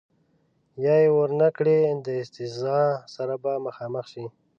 یا یې ور نه کړي د استیضاح سره به مخامخ شي.